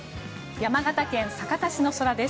山形県酒田市の空です。